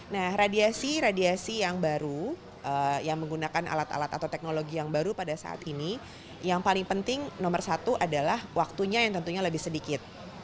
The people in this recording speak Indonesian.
nah radiasi radiasi yang baru yang menggunakan alat alat atau teknologi yang baru pada saat ini yang paling penting nomor satu adalah waktunya yang tentunya lebih sedikit